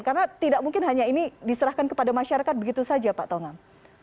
karena tidak mungkin hanya ini diserahkan kepada masyarakat begitu saja pak tongang